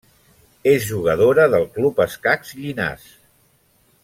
És jugadora del Club Escacs Llinars.